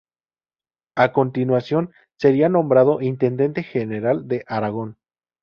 A continuación sería nombrado Intendente General de Aragón.